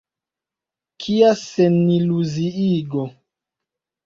Kia seniluziigo.